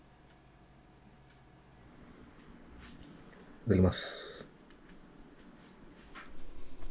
いただきます。